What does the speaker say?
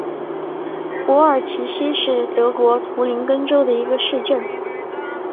珀尔齐希是德国图林根州的一个市镇。